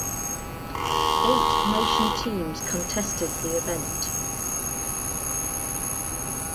Eight nation teams contested the event.